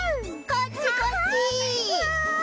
こっちこっち！わい！